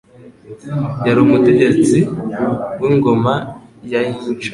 Yari umutegetsi w'Ingoma ya Inca.